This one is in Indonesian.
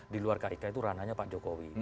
di luar kik itu ranahnya pak jokowi